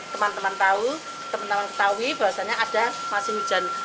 teman teman tahu teman teman ketahui bahwasannya ada masih hujan